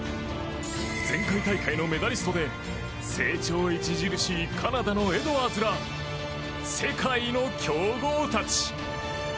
前回大会のメダリストで成長著しいカナダのエドワーズら世界の強豪たち。